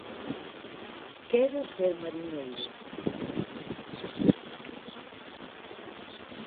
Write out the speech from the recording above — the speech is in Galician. "Quero ser mariñeiro".